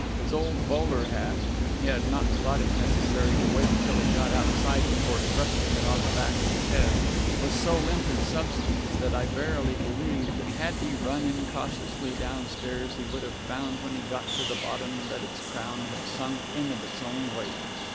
His old bowler hat he had not thought it necessary to wait until he got outside before thrusting it on the back of his head was so limp in substance that I verily believed that had he run incautiously downstairs he would have found when he got to the bottom that its crown had sunk in of its own weight.